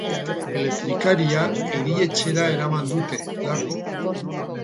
Elektrikaria erietxera eraman dute, larri.